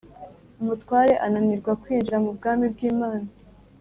Umutware ananirwa kwinjira mu bwami bw’Imana